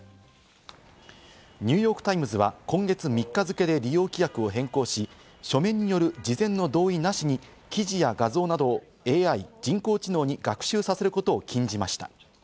ニューヨーク・タイムズは今月３日付で利用規約を変更し、書面による事前の同意なしに記事や画像などをＡＩ＝人工知能に学習させることを禁じました。